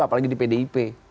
apalagi di pdip